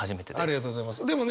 ありがとうございます。